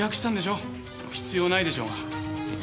必要ないでしょうが。